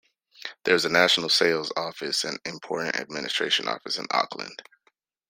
There is a national sales office and import administration office in Auckland.